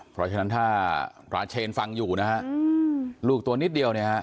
เพราะฉะนั้นถ้าราเชนฟังอยู่นะฮะลูกตัวนิดเดียวเนี่ยฮะ